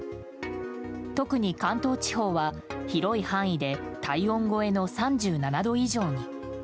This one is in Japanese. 特に関東地方は、広い範囲で体温超えの３７度以上に。